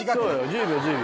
１０秒１０秒。